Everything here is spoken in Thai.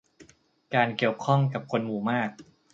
การเกี่ยวข้องกับคนหมู่มาก